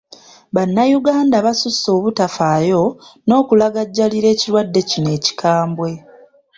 Bannayuganda basusse obutafaayo n’okulagajjalira ekirwadde kino ekikambwe.